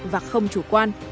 và không chủ quan